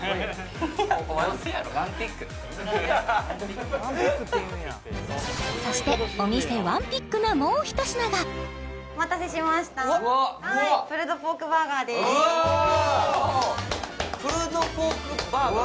お前もそうやろそしてお店ワンピックなもう一品がお待たせしましたプルドポークバーガーでーすプルドポークバーガー？